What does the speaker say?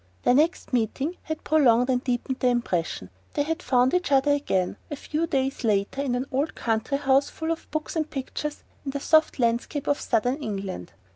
Their next meeting had prolonged and deepened the impression. They had found each other again, a few days later, in an old country house full of books and pictures, in the soft landscape of southern England.